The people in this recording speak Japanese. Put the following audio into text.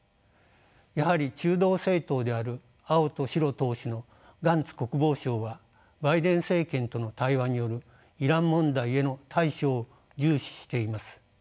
やはり中道政党である「青と白」党首のガンツ国防相はバイデン政権との対話によるイラン問題への対処を重視しています。